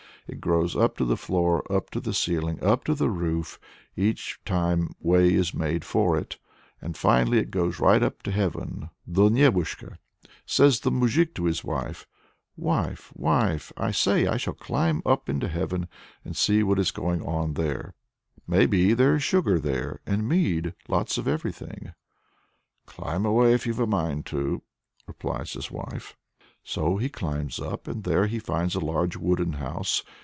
It grows up to the floor, up to the ceiling, up to the roof; each time way is made for it, and finally it grows right up to heaven (do nebushka). Says the moujik to his wife: "Wife! wife, I say! shall I climb up into heaven and see what's going on there? May be there's sugar there, and mead lots of everything!" "Climb away, if you've a mind to," replies his wife. So he climbs up, and there he finds a large wooden house.